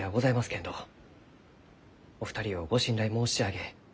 けんどお二人をご信頼申し上げ